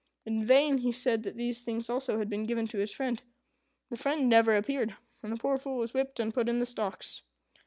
In vain he said that these things also had been given to his friend. The friend never appeared; and the poor Fool was whipped and put in the stocks.